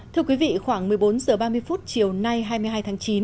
thưa quý vị khoảng một mươi bốn h ba mươi chiều nay hai mươi hai tháng chín